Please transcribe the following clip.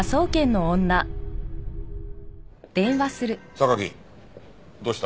榊どうした？